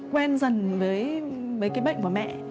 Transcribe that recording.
quen dần với cái bệnh của mẹ